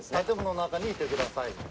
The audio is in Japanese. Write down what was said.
「建物の中にいてください。